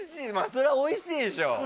そりゃおいしいでしょう。